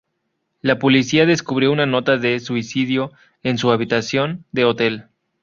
La policía descubrió una nota de suicidio en su habitación de hotel.